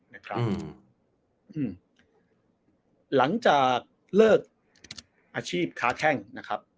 นะครับอืมหลังจากเลิกอาชีพค้าแข้งนะครับ